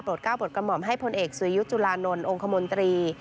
ปลดก้าวบทกรรหมอมให้พลเอกสวยุจุลานนท์องค์ขมนตรี